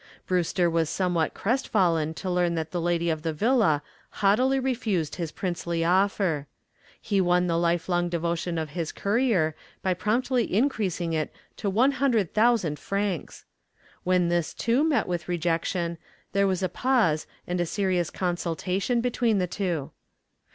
Brewster was somewhat crestfallen to learn that the lady of the villa haughtily refused his princely offer. He won the life long devotion of his courier by promptly increasing it to one hundred thousand francs. When this too met with rejection, there was a pause and a serious consultation between the two.